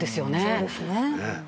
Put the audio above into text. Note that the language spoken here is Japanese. そうですね。